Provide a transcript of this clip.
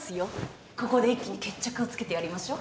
ここで一気に決着をつけてやりましょう。